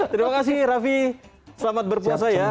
terima kasih raffi selamat berpuasa ya